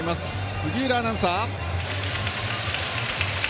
杉浦アナウンサー。